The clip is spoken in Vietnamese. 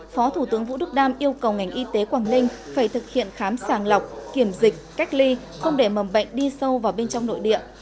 phó thủ tướng vũ đức đam yêu cầu ngành y tế quảng ninh phải thực hiện khám sàng lọc kiểm dịch cách ly không để mầm bệnh đi sâu vào bên trong nội địa